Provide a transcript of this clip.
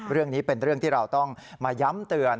เรื่องนี้เป็นเรื่องที่เราต้องมาย้ำเตือน